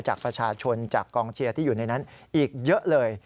จากประชาชนจากกองเชียร์ที่อยู่ในนั้นอีกเยอะเลย